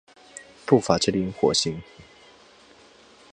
步法之灵活性。